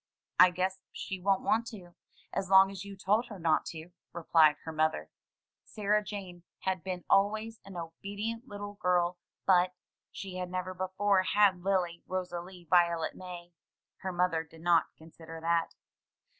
I guess she won't want to, as long as you told her not to," replied her mother. Sarah Jane had been always an obedient little girl; but — she had never before had Lily Rosalie Violet May. Her mother did not consider that.